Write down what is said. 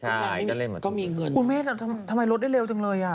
ใช่ก็เล่นมาถูกกว่าคุณแม่ทำไมรถได้เร็วจังเลย